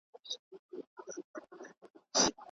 هره ستونزه د انسان د زده کړې برخه ده.